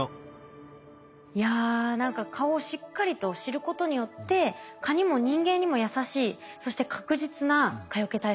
いや何か蚊をしっかりと知ることによって蚊にも人間にも優しいそして確実な蚊よけ対策ができるんですね。